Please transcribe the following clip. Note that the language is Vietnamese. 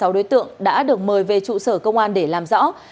bảy mươi sáu đối tượng đã được mời về trụ sở công an để làm rõ